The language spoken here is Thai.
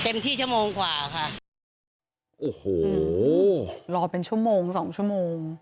โอ้โหรอเป็นชั่วโมงสองชั่วโมง